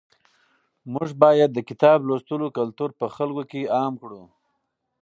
موږ باید د کتاب لوستلو کلتور په خلکو کې عام کړو.